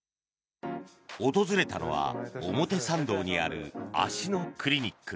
訪れたのは表参道にある足のクリニック。